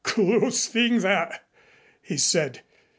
"Close thing, that!" he said.